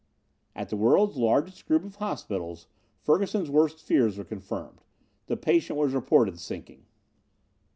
At the world's largest group of hospitals, Ferguson's worst fears were confirmed. The patient was reported sinking.